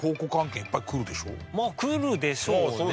まあ来るでしょうね。